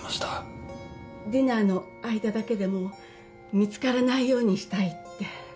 ディナーの間だけでも見つからないようにしたいって